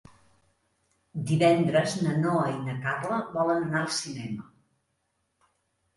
Divendres na Noa i na Carla volen anar al cinema.